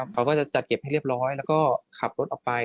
เขาก็จะจัดเก็บให้เรียบร้อยแล้วก็ขับรถออกไป